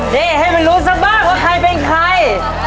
นี่ให้มันรู้ซะบ้างว่าใครเป็นใคร